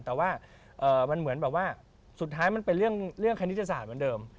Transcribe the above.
แต่ว่ามันเหมือนแบบว่าสุดท้ายมันเป็นเรื่องคณิตศาสตร์เหมือนเดิม